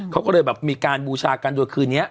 เขาก็เลยแบบมีการบูชากันโดยคืนนี้